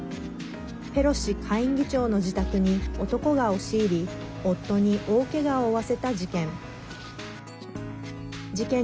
ペロシ下院議長の自宅に男が押し入り夫に大けがを負わせた事件。